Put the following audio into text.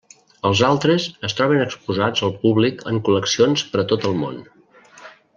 Els altres es troben exposats al públic en col·leccions per a tot el món.